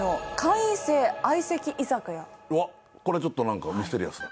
うわっこれちょっとなんかミステリアスだ。